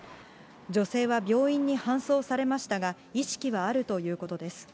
女性は病院に搬送されましたが、意識はあるということです。